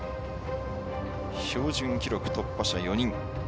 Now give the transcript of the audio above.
標準記録突破者４人。